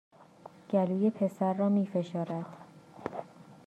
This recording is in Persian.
گلوی پسر را می فشارد